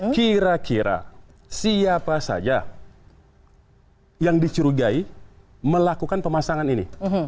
kira kira siapa saja yang dicurigai melakukan pemasangan ini